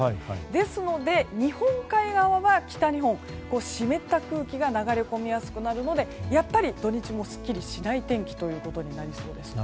ですので、日本海側は北日本湿った空気が流れ込みやすくなるのでやっぱり土日もすっきりしない天気となりそうです。